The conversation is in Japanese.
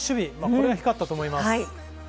これが光ったと思います。